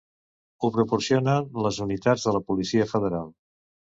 Ho proporcionen les unitats de la Policia Federal.